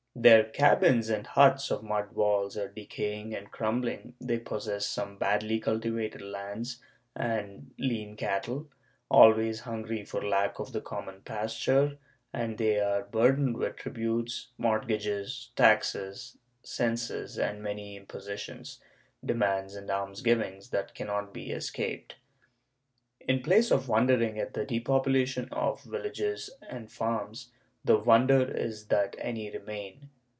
Their cabins and huts of mud walls are decaying and crumbling, they possess some badly cultivated lands and lean cattle, always hungry for lack of the common pasture, and they are burdened with tributes, mortgages, taxes, censos and many impositions, demands and almsgivings that cannot be escaped. In place of wondering at the depopulation of villages and farms, the wonder is that any remain.